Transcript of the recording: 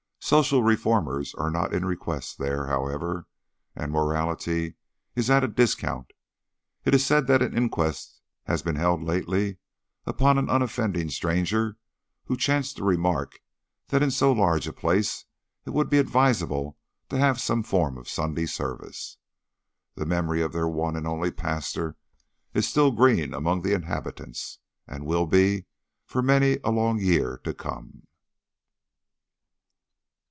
Social reformers are not in request there, however, and morality is at a discount. It is said that an inquest has been held lately upon an unoffending stranger who chanced to remark that in so large a place it would be advisable to have some form of Sunday service. The memory of their one and only pastor is still green among the inhabitants, and will be for many a long year to come.